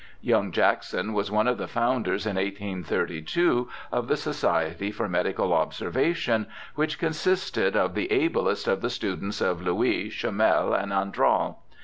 Young Jackson was one of the founders, in 1832, of the Society for Medical Observation, which consisted of the ablest of the students of Louis, Chomel, and Andral.